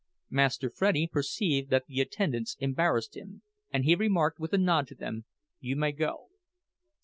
Master Freddie perceived that the attendants embarrassed him, and he remarked with a nod to them, "You may go."